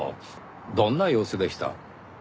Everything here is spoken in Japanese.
どんな様子でした？